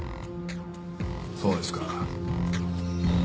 そうですか。